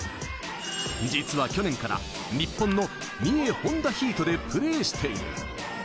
実は去年から日本の三重ホンダヒートでプレーしている。